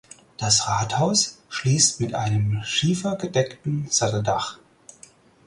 Das Rathaus schließt mit einem schiefergedeckten Satteldach.